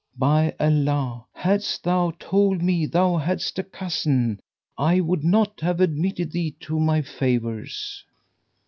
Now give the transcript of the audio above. By Allah, hadst thou told me thou hadst a cousin, I would not have admitted thee to my favours!"